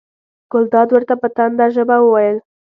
ګلداد ورته په تنده ژبه وویل.